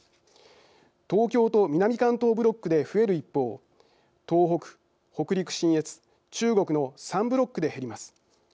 東京と南関東ブロックで増える一方東北、北陸信越、中国の３ブロックで減ります。